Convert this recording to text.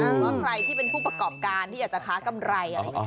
คือใครที่เป็นผู้ประกอบการที่อาจจะค้ากำไร